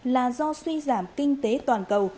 là do suy giảm kinh tế toàn cầu